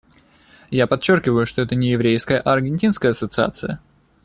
Я подчеркиваю, что это не еврейская, а аргентинская ассоциация.